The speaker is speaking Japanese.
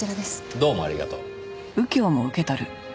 どうもありがとう。